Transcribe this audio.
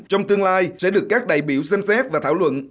trong tương lai sẽ được các đại biểu xem xét và thảo luận